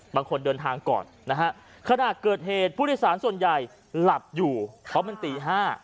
บางคนเดินทางก่อนนะฮะขณะเกิดเหตุผู้โดยสารส่วนใหญ่หลับอยู่เพราะมันตี๕